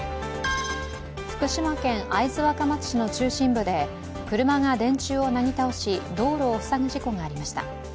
福島県会津若松市の中心部で車が電柱をなぎ倒し道路を塞ぐ事故がありました。